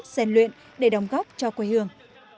gian luyện để đóng góp cho quê hương